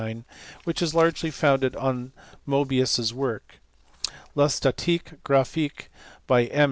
485 1889), which is largely founded on Mobius s work; La statique graphique, by M.